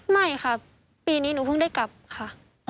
ไม่ค่ะปีนี้หนูเพิ่งได้กลับค่ะ